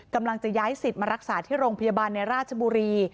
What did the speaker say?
กำลังจะย้ายสิทธิ์มารักษาที่โรงพยาบาลในราชบุรี